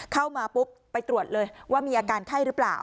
เข้ามาปุ๊บไปตรวจเลยว่ามีอาการไข้หรือเปล่า